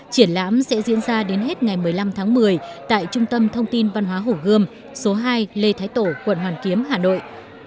triển lãm sẽ diễn ra đến hết ngày một mươi năm tháng một mươi tại trung tâm thông tin văn hóa hổ gươm số hai lê thái tổ quận hoàn kiếm hà nội